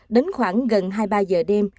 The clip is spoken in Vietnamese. đến khoảng gần hai mươi ba giờ đêm